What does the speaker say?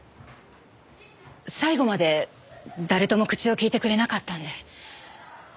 最後まで誰とも口を利いてくれなかったんで。